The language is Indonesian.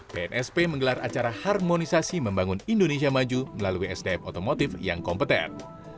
pnsp menggelar acara harmonisasi membangun indonesia maju melalui sdm otomotif yang kompeten